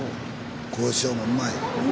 交渉もうまい。